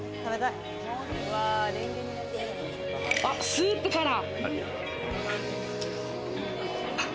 スープから！